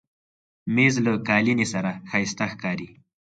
مېز له قالینې سره ښایسته ښکاري.